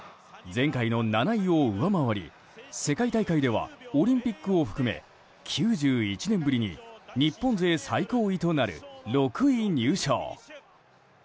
前回の７位を上回り世界大会ではオリンピックを含め９１年ぶり日本勢最高位となる６位入賞。